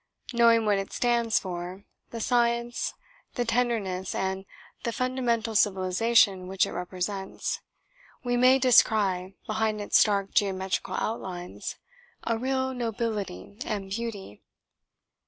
Knowing what it stands for, the science, the tenderness and the fundamental civilisation which it represents, we may descry, behind its stark geometrical outlines, a real nobility and beauty.